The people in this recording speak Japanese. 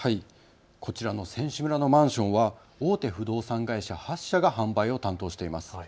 こちらの選手村のマンションは大手不動産会社８社が販売を担当しています。